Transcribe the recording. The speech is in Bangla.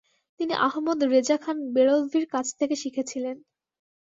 তিনি আহমদ রেজা খান বেরলভীর কাছ থেকে শিখেছিলেন।